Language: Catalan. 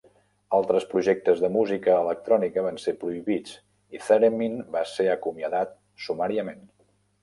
Altres projectes de música electrònica van ser prohibits i Theremin va ser acomiadat sumàriament.